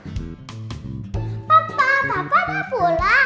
kasih makan berbatu